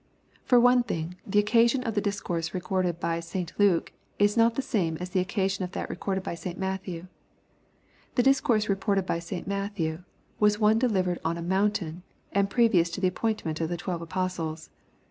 For one thing, the occasion of the discourse recorded by St. Luke, is not the same as the occasion of that recorded by St. Matthew. The discourse reported by St Matthew, was one de livered on a " mountain," and previous to the appointment of the twelve apostles.